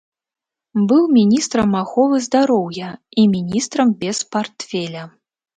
Быў міністрам аховы здароўя і міністрам без партфеля.